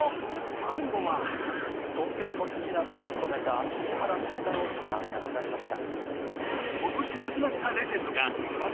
最後は東京都知事などを務めた石原慎太郎が亡くなりました。